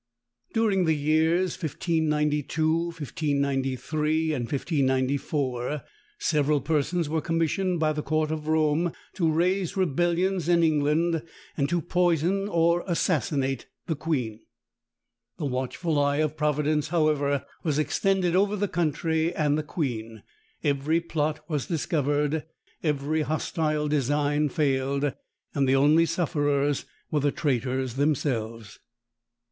During the years 1592, 1593, and 1594, several persons were commissioned by the court of Rome to raise rebellions in England, and to poison or assassinate the queen. The watchful eye of providence, however, was extended over the country and the queen. Every plot was discovered; every hostile design failed; and the only sufferers were the traitors themselves.